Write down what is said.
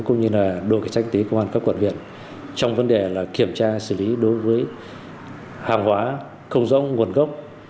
cũng như là đội cảnh sát kinh tế công an các quận viện trong vấn đề kiểm tra xử lý đối với hàng hóa không rõ nguồn gốc